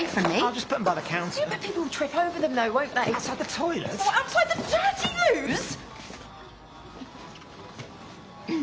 うん？